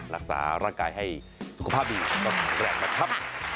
รักษาร่างกายให้สุขภาพดีตอนแรกนะครับ